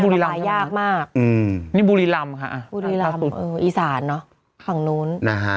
บุรีลำยากมากอืมนี่บุรีลำค่ะอืมอีสานเนอะฝั่งโน้นนะฮะ